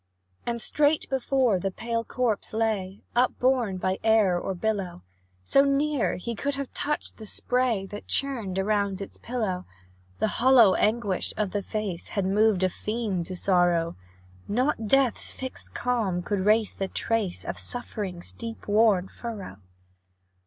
And straight before, the pale corpse lay, Upborne by air or billow, So near, he could have touched the spray That churned around its pillow. The hollow anguish of the face Had moved a fiend to sorrow; Not death's fixed calm could rase the trace Of suffering's deep worn furrow.